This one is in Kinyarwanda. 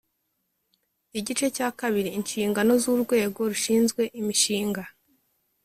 Igice cya kabiri: Inshingano z’urwego rushinzwe imishinga